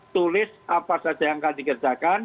tulis apa saja yang akan dikerjakan